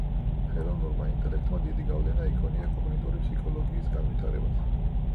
ხელოვნურმა ინტელექტმა დიდი გავლენა იქონია კოგნიტური ფსიქოლოგიის განვითარებაზე.